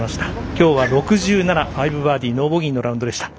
今日は６７５バーディー、ノーボギーのラウンドでした。